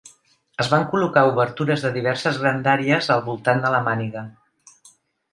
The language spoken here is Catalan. Es van col·locar obertures de diverses grandàries al voltant de la màniga.